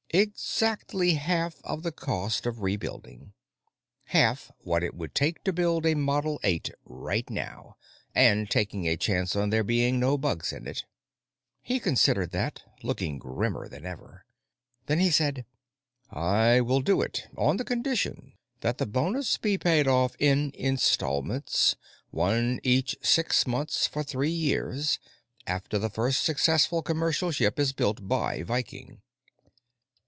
"Exactly half of the cost of rebuilding. Half what it would take to build a Model 8 right now, and taking a chance on there being no bugs in it." He considered that, looking grimmer than ever. Then he said: "I will do it on the condition that the bonus be paid off in installments, one each six months for three years after the first successful commercial ship is built by Viking."